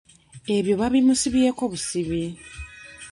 Ebyo babimusibyeko busibi.